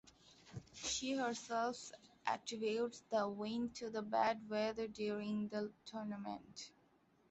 She herself attributes the win to the bad weather during the tournament.